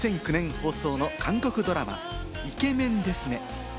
放送の韓国ドラマ『美男ですね』。